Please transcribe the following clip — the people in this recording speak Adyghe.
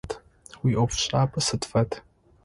Уиӏофшӏапӏэ сыд фэд?